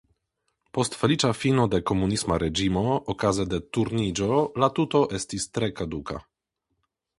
Post feliĉa fino de komunisma reĝimo okaze de Turniĝo la tuto estis tre kaduka.